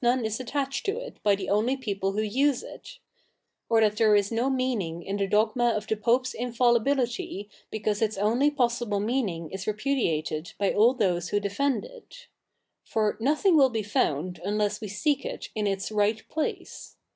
ie is attached to it by the only people who use it\ or that there is no meaning in the dogfna of the Pope's infallibility because its only possible ?neani?ig is repudiated by all those who defend it. For ?iothing will be found unless we seek it in its right place.